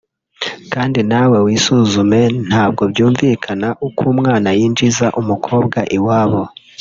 kdi nawe wisuzume ntago byumvikana uko umwana yinjiza umukobwa iwabo